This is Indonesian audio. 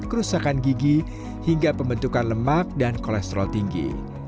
kerusakan gigi hingga pembentukan lemak dan kolesterol tinggi